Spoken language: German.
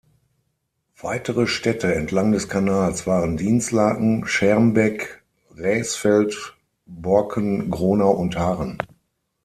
Weitere Städte entlang des Kanals waren Dinslaken, Schermbeck, Raesfeld, Borken, Gronau und Haren.